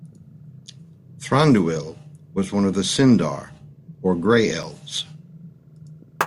Thranduil was one of the Sindar, or Grey Elves.